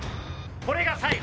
これが最後。